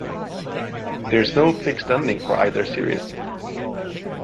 There is no fixed ending for either series.